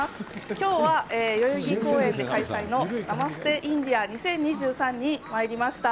きょうは、代々木公園で開催のナマステ・インディア２０２３にまいりました。